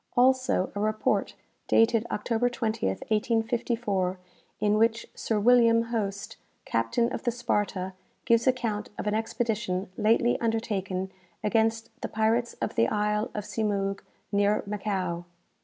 Also a report dated October 20th, 1854, in which Sir William Hoste, captain of the 'Sparta,' gives account of an expedition lately undertaken against the pirates of the isle of Symoug, near Macao.